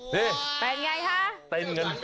ต้องทำยังไงคะ